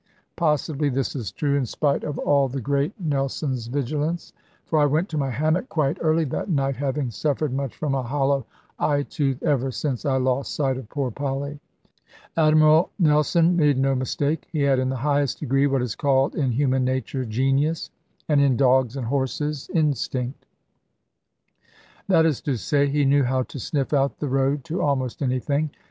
Possibly this is true, in spite of all the great Nelson's vigilance; for I went to my hammock quite early that night, having suffered much from a hollow eye tooth ever since I lost sight of poor Polly. Admiral Nelson made no mistake. He had in the highest degree what is called in human nature "genius," and in dogs and horses "instinct." That is to say, he knew how to sniff out the road to almost anything.